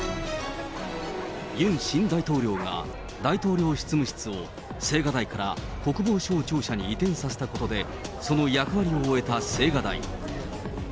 ユン新大統領が大統領執務室を、青瓦台から国防省庁舎に移転させたことで、その役割を終えた青瓦台。